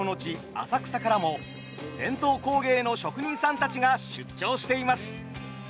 浅草からも伝統工芸の職人さんたちが出張しています。